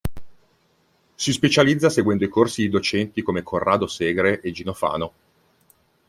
Si specializza seguendo i corsi di docenti come Corrado Segre e Gino Fano.